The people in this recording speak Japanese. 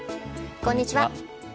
こんにちは。